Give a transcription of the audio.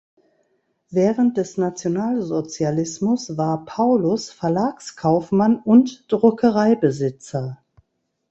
Während des Nationalsozialismus war Paulus Verlagskaufmann und Druckereibesitzer.